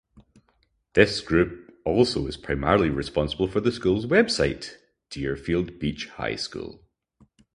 This group also is primarily responsible for the school's website, Deerfield Beach High School.